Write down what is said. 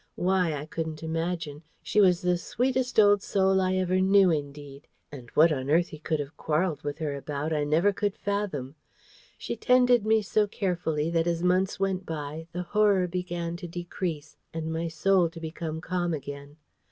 Why, I couldn't imagine. She was the sweetest old soul I ever knew, indeed, and what on earth he could have quarrelled with her about I never could fathom. She tended me so carefully that as months went by, the Horror began to decrease and my soul to become calm again.